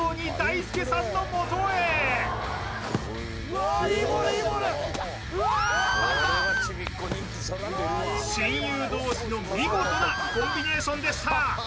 いいボール親友同士の見事なコンビネーションでした！